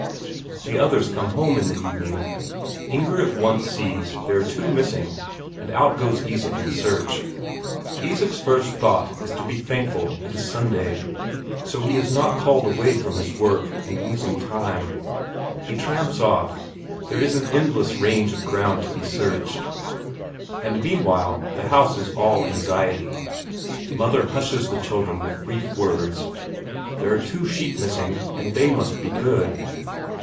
The others come home in the evening. Inger at once sees there are two missing, and out goes Isak in search. Isak's first thought is to be thankful it is Sunday, so he is not called away from his work and losing time. He tramps off there is an endless range of ground to be searched; and, meanwhile, the house is all anxiety. Mother hushes the children with brief words; there are two sheep missing, and they must be good.